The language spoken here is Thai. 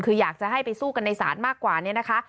คืออยากจะให้ไปสู้กันในศาลมากกว่านี้นะคะ